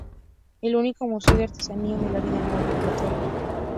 Es el único museo de artesanía en el área de Nueva Inglaterra.